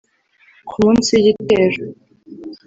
Ku munsi w’igitero